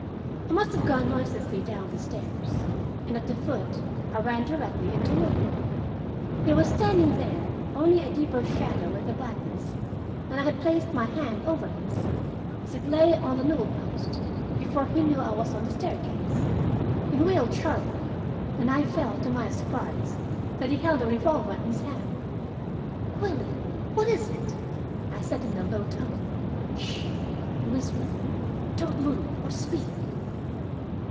I must have gone noiselessly down the stairs, and at the foot I ran directly into Willie. He was standing there, only a deeper shadow in the blackness, and I had placed my hand over his, as it lay on the newel post, before he knew I was on the staircase. He wheeled sharply, and I felt, to my surprise, that he held a revolver in his hand. "Willie! What is it?" I said in a low tone. "'Sh," he whispered. "Don't move or speak."